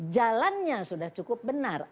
jalannya sudah cukup benar